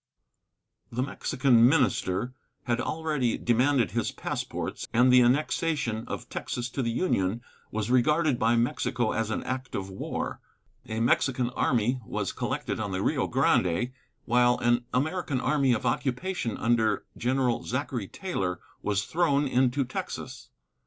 The Mexican minister had already demanded his passports, and the annexation of Texas to the Union was regarded by Mexico as an act of war. A Mexican army was collected on the Rio Grande, while an American army of occupation under General Zachary Taylor was thrown into Texas.